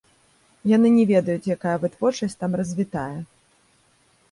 Яны не ведаюць, якая вытворчасць там развітая.